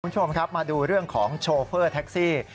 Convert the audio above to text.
คุณผู้ชมครับมาดูเรื่องของโชเฟอร์แท็กซี่